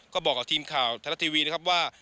ก็บอกกับทีมข่าวไทยรัฐทีวีนะครับว่า